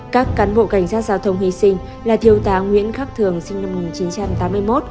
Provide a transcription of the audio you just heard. các cán bộ cảnh sát giao thông hy sinh là thiếu tá nguyễn khắc thường sinh năm một nghìn chín trăm tám mươi một